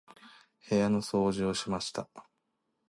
部屋の掃除をしました。